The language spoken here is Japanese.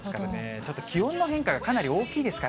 ちょっと気温の変化がかなり大きいですから。